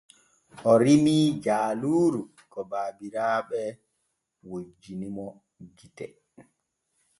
O rimii jaaluuru ko baabiraaɓe wojjini mo gite.